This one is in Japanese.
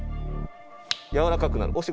やわらかくなる押して。